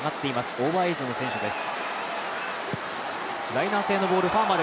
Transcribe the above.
オーバーエイジの選手です。